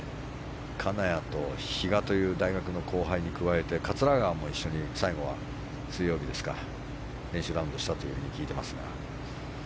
金谷と比嘉という大学の後輩に加えて桂川も一緒に最後は、水曜日ですか練習ラウンドをしたと聞いていますが。